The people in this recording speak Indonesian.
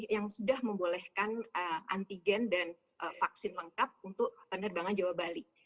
yang sudah membolehkan antigen dan vaksin lengkap untuk penerbangan jawa bali